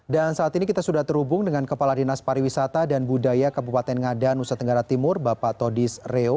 dan saat ini kita sudah terhubung dengan kepala dinas pariwisata dan budaya kabupaten ngada nusa tenggara timur bapak todis reo